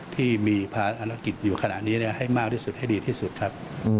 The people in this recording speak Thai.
ที่มีภารกิจอยู่ขณะนี้ให้มากที่สุดให้ดีที่สุดครับ